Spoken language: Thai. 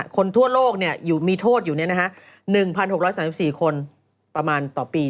คนทั่วโลกมีโทษอยู่๑๖๓๔คนประมาณต่อปี